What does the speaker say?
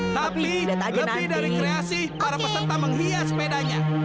tapi lebih dari kreasi para peserta menghias sepedanya